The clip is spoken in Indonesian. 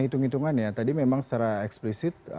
hitung hitungan ya tadi memang secara eksplisit